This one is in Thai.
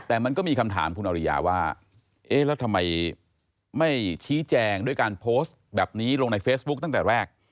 แต่มันก็มีคำถามคุณอริยาว่าเอ๊ะแล้วทำไมไม่ชี้แจงด้วยการโพสต์แบบนี้ลงในเฟซบุ๊คตั้งแต่แรก